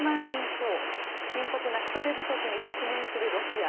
超深刻な人手不足に直面するロシア。